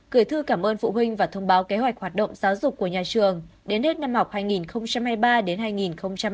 gửi thư cảm ơn phụ huynh và thông báo kế hoạch hoạt động giáo dục của nhà trường đến hết năm học hai nghìn hai mươi ba đến hai nghìn hai mươi năm